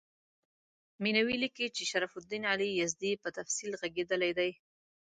مینوي لیکي چې شرف الدین علي یزدي په تفصیل ږغېدلی دی.